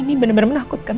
ini benar benar menakutkan